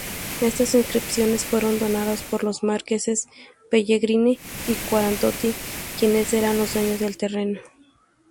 Estas inscripciones fueron donadas por los marqueses Pellegrini-Quarantoti, quienes eran los dueños del terreno.